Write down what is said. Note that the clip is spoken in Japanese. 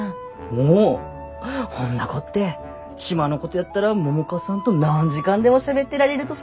おおほんなこって島のことやったら百花さんと何時間でもしゃべってられるとさ！